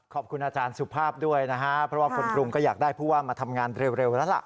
ขอบคุณอาจารย์สุภาพด้วยนะฮะเพราะว่าคนกรุงก็อยากได้ผู้ว่ามาทำงานเร็วแล้วล่ะ